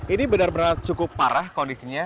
ini benar benar cukup parah kondisinya